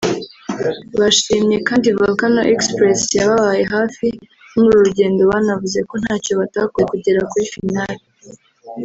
Bashimye kandi Volcano Express yababaye hafi muri uru rugendo banavuze ko ntacyo batakoze kugera kuri Final